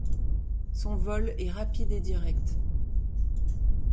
Son vol est rapide et direct.